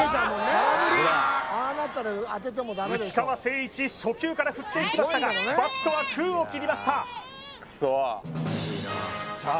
空振り内川聖一初球から振っていきましたがバットは空を切りましたさあ